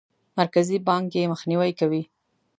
مرکزي بانک یې مخنیوی کوي.